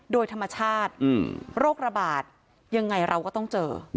โดยธรรมชาติโรคระบาดยังไงเราก็ต้องเจอ